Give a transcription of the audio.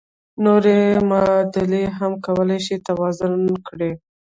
نورې معادلې هم کولای شئ توازن کړئ.